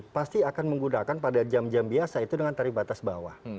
pasti akan menggunakan pada jam jam biasa itu dengan tarif batas bawah